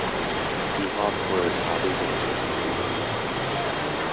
菊花普洱茶被簡稱菊普